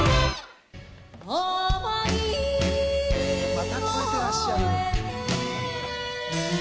また越えていらっしゃる。